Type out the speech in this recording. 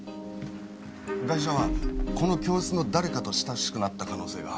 ガイシャはこの教室の誰かと親しくなった可能性が。